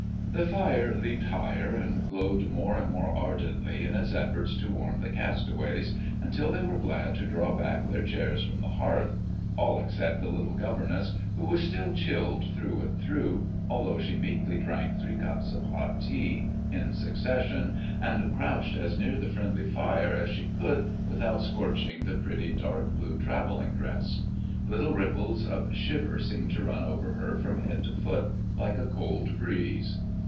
The fire leaped higher and glowed more and more ardently in its efforts to warm the castaways, until they were glad to draw back their chairs from the hearth, all except the little governess, who was still chilled through and through, although she meekly drank three cups of hot tea in succession, and crouched as near the friendly fire as she could without scorching the pretty dark blue traveling dress. Little ripples of shiver seemed to run over her from head to foot, like a cold breeze.